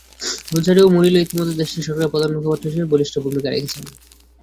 Rosario Murillo ইতিমধ্যে দেশটির সরকারের প্রধান মুখপাত্র হিসেবে বলিষ্ঠ ভূমিকা রেখেছেন।